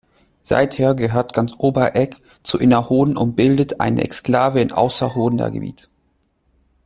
Seither gehört ganz Oberegg zu Innerrhoden und bildet eine Exklave in Ausserrhoder Gebiet.